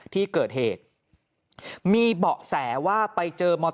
ที่เกิดเหตุมีเบาะแสว่าไปเจอมอเตอร์